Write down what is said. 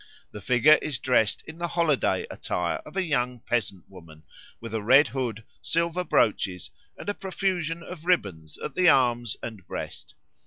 The figure is dressed in the holiday attire of a young peasant woman, with a red hood, silver brooches, and a profusion of ribbons at the arms and breast.